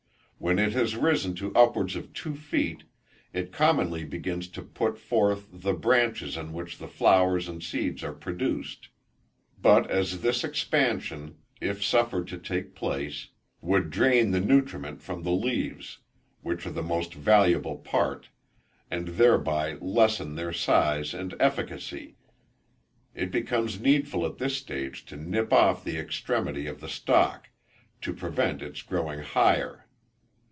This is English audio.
When it has risen to upwards of two feet, it commonly begins to put forth the branches on which the flowers and seeds are produced; but as this expansion, if suffered to take place, would drain the nutriment from the leaves, which are the most valuable part, and thereby lessen their size and efficacy, it becomes needful at this stage to nip off the extremity of the stalk, to prevent its growing higher.